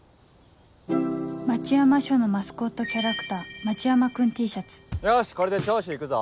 町山署のマスコットキャラクター町山くん Ｔ シャツよしこれで聴取行くぞ。